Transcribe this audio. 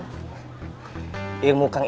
ilmu kang idan sesuai dengan berarti kum